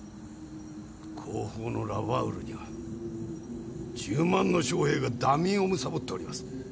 後方のラバウルには１０万の将兵が惰眠をむさぼっております。